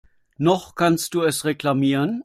Noch kannst du es reklamieren.